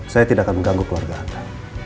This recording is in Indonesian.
saya tidak akan mengganggu keluarga anda